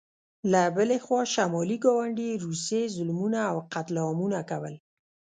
له بلې خوا شمالي ګاونډي روسیې ظلمونه او قتل عامونه کول.